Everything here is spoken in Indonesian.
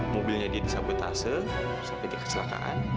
mobilnya dia disabotase sampai dia kecelakaan